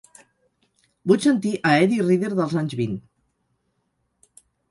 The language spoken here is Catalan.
Vull sentir a Eddi Reader dels anys vint.